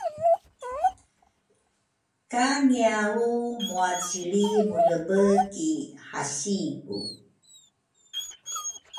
ka ngiau muacilri mulebe ki hasiku.